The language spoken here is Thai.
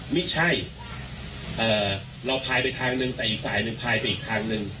ไม่ใช่เราพายไปทางหนึ่งแต่อีกฝ่ายหนึ่งพายไปอีกทางหนึ่ง